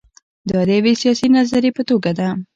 دا د یوې سیاسي نظریې په توګه ده.